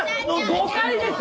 誤解です！